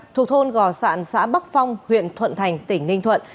thuộc thôn gò sạn xã bắc phong huyện thuận thành tỉnh ninh thuận